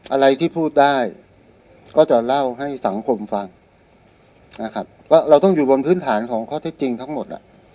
อะไรที่พูดได้ก็จะเล่าให้สังคมฟังนะครับว่าเราต้องอยู่บนพื้นฐานของข้อเท็จจริงทั้งหมด